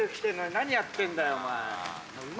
何やってんだよ。